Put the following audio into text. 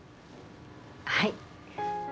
はい。